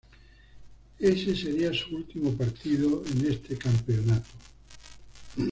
Ese seria su último partido en este campeonato.